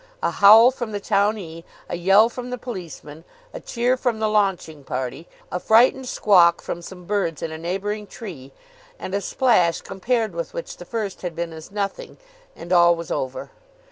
A howl from the townee, a yell from the policeman, a cheer from the launching party, a frightened squawk from some birds in a neighbouring tree, and a splash compared with which the first had been as nothing, and all was over.